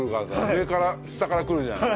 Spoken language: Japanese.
上から下から来るじゃない。